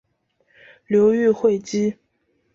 流寓会稽。